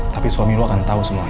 tapi suami lu akan tahu semuanya